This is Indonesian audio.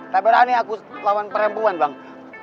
tapi berani aku lawan perempuan bang